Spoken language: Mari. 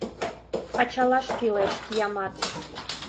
Ачалаш кӱлеш, киямат!